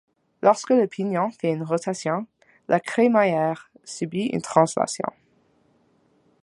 Lorsque le pignon fait une rotation, la crémaillère subit une translation.